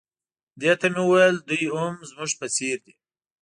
دې ته مې وویل دوی هم زموږ په څېر دي.